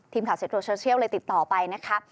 ทีมข่าวเซ็ตโลเชอร์เชียลเลยติดต่อไปนะคะ